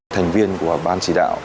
thành viên của ban chỉ đạo